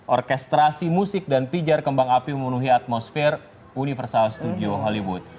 orkestrasi musik dan pijar kembang api memenuhi atmosfer universal studio hollywood